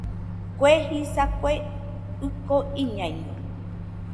Kue jisa, Kue ɨko iñaiño